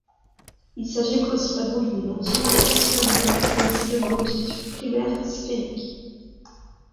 Il s'agit principalement d'une lentille cylindrique placée devant l'objectif primaire, sphérique.